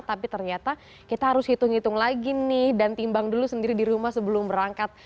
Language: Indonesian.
tapi ternyata kita harus hitung hitung lagi nih dan timbang dulu sendiri di rumah sebelum berangkat